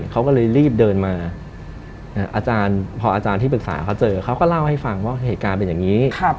เขาก็เลยรีบเดินมาอาจารย์พออาจารย์ที่ปรึกษาเขาเจอเขาก็เล่าให้ฟังว่าเหตุการณ์เป็นอย่างนี้